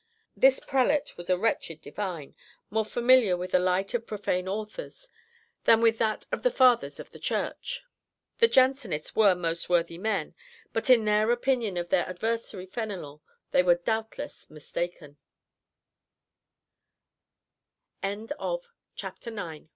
This prelate was a wretched divine, more familiar with the light of profane authors, than with that of the fathers of the Church." The Jansenists were most worthy men, but in their opinion of their adversary Fénélon they were doubtless mistaken. C